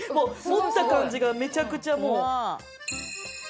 持った感じがめちゃくちゃもう。